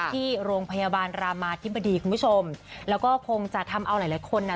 ที่โรงพยาบาลรามาธิบดีคุณผู้ชมแล้วก็คงจะทำเอาหลายหลายคนน่ะ